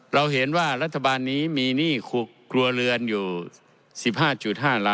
เราเห็นว่ารัฐบาลนี้มีหนี้คลุกรัวเลือนอยู่